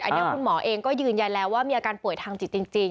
อันนี้คุณหมอเองก็ยืนยันแล้วว่ามีอาการป่วยทางจิตจริง